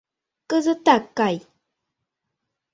Кызытак кай!